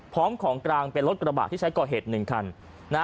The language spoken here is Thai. ของกลางเป็นรถกระบะที่ใช้ก่อเหตุ๑คัน